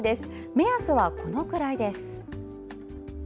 目安は、このくらいです。